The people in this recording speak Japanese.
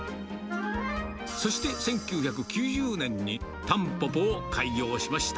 そして１９９０年に、たんぽぽを開業しました。